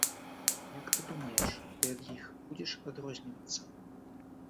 Як ты думаеш, ты ад іх будзеш адрознівацца?